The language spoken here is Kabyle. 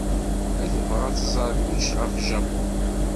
Meg tebɣa ad tẓer kullec ɣef Japun.